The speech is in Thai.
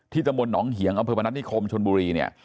ที่ตมนต์หนองเหยียงอำเภอมณัฐนิคมชนบุรี